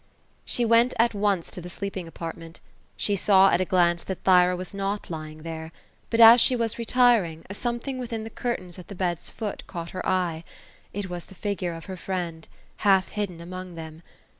'*' She went at once to the sleeping apartment. She saw at a glance that Thyra was not lying there ; but as she was retiring, a something within the curtains, at the bed's foot, caught her eye. It was the 6gure of her friend, half hidden among them.